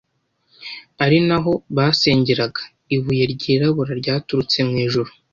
ari na ho basengeraga ibuye ryirabura ryaturutse mu ijuru